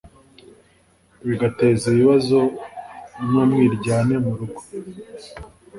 bigateza ibibazo n'umwiryane mu rugo.